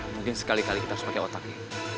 mungkin sekali kali kita harus pakai otak ki